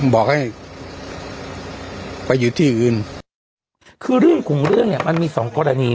บอกให้ไปอยู่ที่อื่นคือเรื่องของเรื่องเนี้ยมันมีสองกรณี